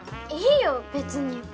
いいよ別に。